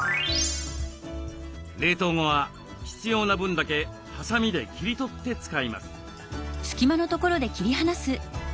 冷凍後は必要な分だけハサミで切り取って使います。